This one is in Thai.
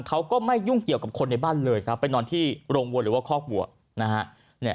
เขาก็ไม่ยุ่งเกี่ยวกับคนในบ้านเลยครับไปนอนที่โรงวัวหรือว่าคอกวัวนะฮะ